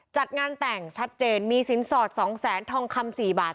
จัดงานแต่งชัดเจนมีสินสอด๒แสนทองคำ๔บาท